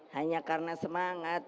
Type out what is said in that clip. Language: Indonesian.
hanya karena semangat